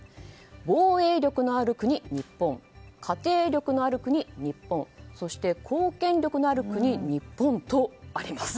防衛力のある国日本家庭力のある国日本そして貢献力のある国日本とあります。